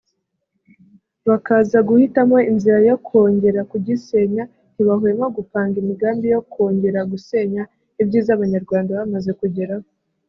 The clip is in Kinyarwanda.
bakaza guhitamo inzira yo kongera kugisenya ntibahwema gupanga imigambi yo kongera gusenya ibyiza abanyarwanda bamaze kugeraho